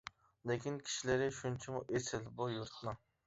لېكىن كىشىلىرى شۇنچىمۇ ئېسىل بۇ يۇرتنىڭ.